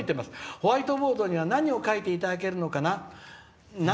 ホワイトボードには何を描いていただけるのかな」。